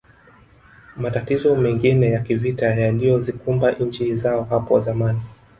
Matatizo mengine ya kivita yaliyozikumba nchi zao hapo zamani